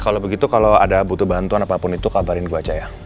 kalau begitu kalau ada butuh bantuan apapun itu kabarin gue aja ya